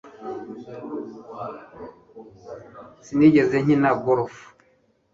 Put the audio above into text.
sinigeze nkina golf